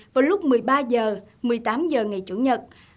vào lúc một mươi ba h một mươi tám h ngày chủ nhật